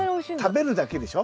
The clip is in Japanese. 食べるだけでしょ？